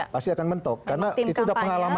pasti akan mentok karena itu sudah pengalaman kami